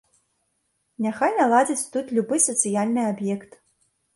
Няхай наладзяць тут любы сацыяльны аб'ект.